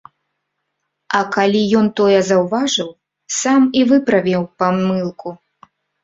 А калі ён тое заўважыў, сам і выправіў памылку.